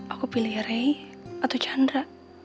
aku pilih ray atau chandra